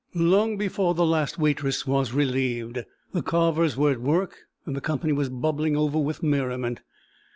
Long before the last waitress was relieved, the carvers were at work, and the company was bubbling over with merriment.